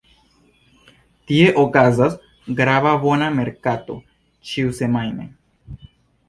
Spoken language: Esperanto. Tie okazas grava bova merkato ĉiusemajne.